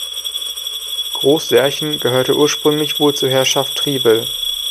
Groß Särchen gehörte ursprünglich wohl zur Herrschaft Triebel.